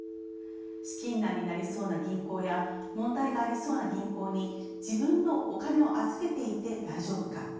資金難になりそうな銀行や問題がありそうな銀行に自分のお金を預けていて大丈夫か。